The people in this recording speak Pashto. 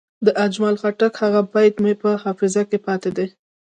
د اجمل خټک هغه بیت مې په حافظه کې پاتې دی.